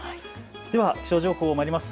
では気象情報にまいります。